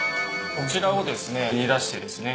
こちらをですね